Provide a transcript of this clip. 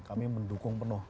kami mendukung penuh